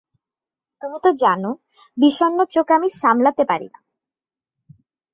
তুমি তো জানো, বিষণ্ণ চোখ আমি সামলাতে পারি না।